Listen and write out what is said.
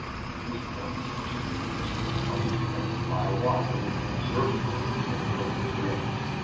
These points, or stations, are each connected by a wire with an observing room, where the records are made.